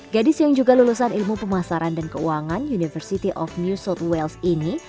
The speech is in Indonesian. gadis yang juga lulusan ilmu pemasaran dan keuangan university of new south wales ini